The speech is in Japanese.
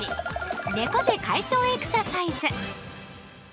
猫背解消エクササイズ！